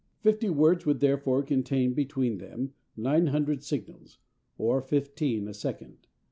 Fifty words would therefore contain between them 900 signals, or fifteen a second.